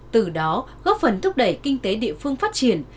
từ đó góp phần thúc đẩy kinh tế địa phương phát triển